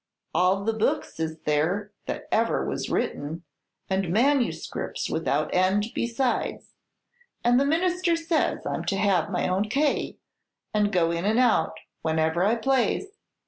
All the books is there that ever was written, and manuscripts without end besides; and the Minister says I'm to have my own kay, and go in and out whenever I plaze.